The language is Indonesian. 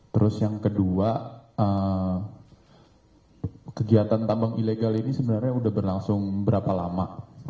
terus yang kedua kegiatan tambang ilegal ini sebenarnya sudah berlangsung berapa lama